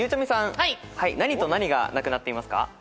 何と何がなくなっていますか？